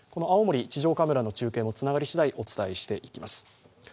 青森地上カメラの中継もつながりしだい、お伝えします。